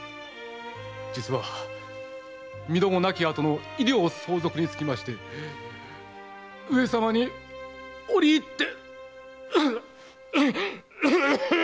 実は身共亡き後の遺領相続につきまして上様に折り入って。